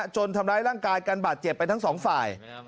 ทำร้ายร่างกายกันบาดเจ็บไปทั้งสองฝ่าย